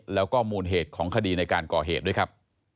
แล้วก็มูลเหตุของคดีในการก่อเหตุด้วยครับ